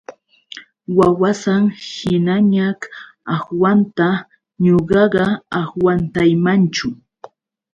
Wawasan hinañaćh agwantan ñuqaqa agwantaymanchu.